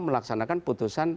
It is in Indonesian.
melaksanakan putusan tun